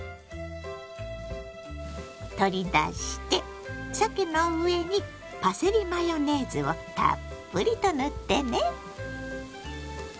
取り出してさけの上にパセリマヨネーズをたっぷりと塗ってね。